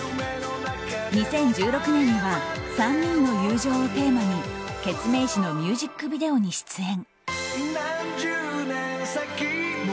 ２０１６年には３人の友情をテーマにケツメイシのミュージックビデオに出演。